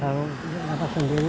harus dengan kenahan dan keleluhan